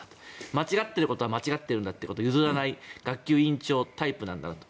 間違っていることは間違っているんだということを譲らない学級委員長タイプなんだなと。